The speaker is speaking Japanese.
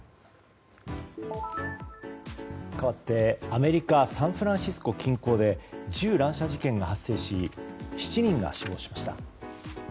かわってアメリカ・サンフランシスコ近郊で銃乱射事件が発生し７人が死亡しました。